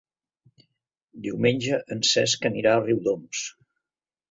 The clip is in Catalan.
Diumenge en Cesc anirà a Riudoms.